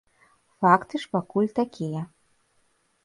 Факты ж пакуль такія.